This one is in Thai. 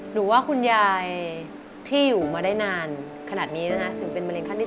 หนูว่าคุณยายที่อยู่มาได้นานขนาดนี้นะคะถึงเป็นมะเร็ขั้นที่๓